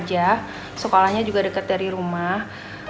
dia sudah belajar sekolahnya juga dekat dari rumah